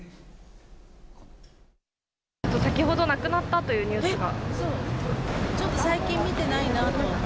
先ほど、亡くなったというニュースが。